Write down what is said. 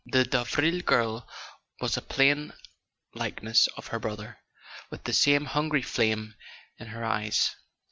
The Davril girl was a plain likeness of her brother, with the same hungry flame in her eyes.